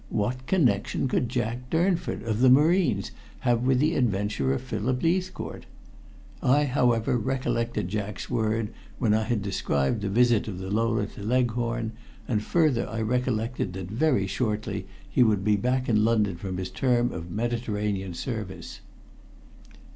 What connection could Jack Durnford, of the Marines, have with the adventurer Philip Leithcourt? I, however, recollected Jack's word, when I had described the visit of the Lola to Leghorn, and further I recollected that very shortly he would be back in London from his term of Mediterranean service.